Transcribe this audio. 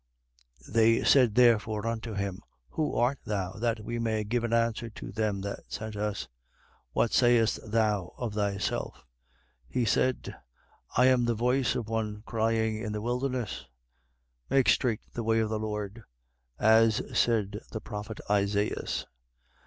1:22. They said therefore unto him: Who art thou, that we may give an answer to them that sent us? What sayest thou of thyself? 1:23. He said: I am the voice of one crying in the wilderness, make straight the way of the Lord, as said the prophet Isaias.